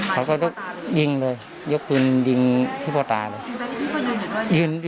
เขาก็ยกปืนมาทิศป้าตาเลย